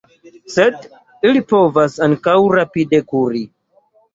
Sed ili povas ankaŭ rapide kuri.